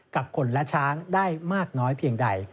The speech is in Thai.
กับคนและช้างได้มากน้อยเพียงใด